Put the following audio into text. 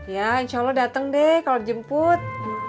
ya insya allah dateng deh kalau dijemput